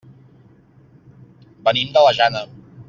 Venim de la Jana.